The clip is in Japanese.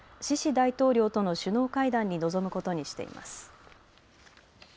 大統領との首脳会談に臨むことにしています。